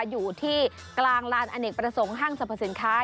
อยู่ที่กลางร้านอเนกประศงห้างสรรพเสียงข้า